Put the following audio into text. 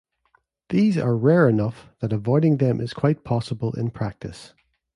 These are rare enough that avoiding them is quite possible in practice.